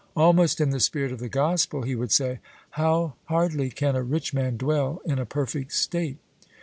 Almost in the spirit of the Gospel he would say, 'How hardly can a rich man dwell in a perfect state.'